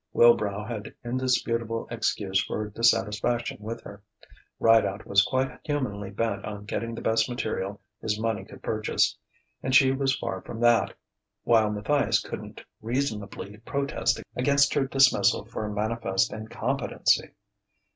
Wilbrow had indisputable excuse for dissatisfaction with her; Rideout was quite humanly bent on getting the best material his money could purchase and she was far from that; while Matthias couldn't reasonably protest against her dismissal for manifest incompetency.